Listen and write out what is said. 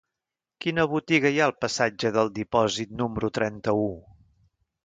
Quina botiga hi ha al passatge del Dipòsit número trenta-u?